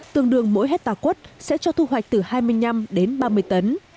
tương đương mỗi hectare quất sẽ cho thu hoạch từ hai mươi năm đến ba mươi tấn